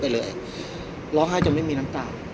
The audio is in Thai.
พี่อัดมาสองวันไม่มีใครรู้หรอก